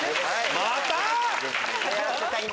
また？